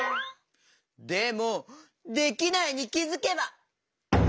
でも「できないに気づけば」？